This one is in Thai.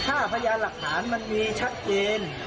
ถ้าพยานหลักฐานมันมีชัดเจน